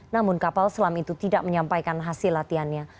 namun kapal selam itu tidak menyampaikan hasil latihannya